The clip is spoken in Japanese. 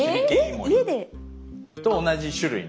家で？と同じ種類の。